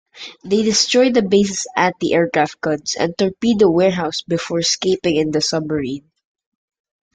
They destroy the base's anti-aircraft guns and torpedo warehouse before escaping in the submarine.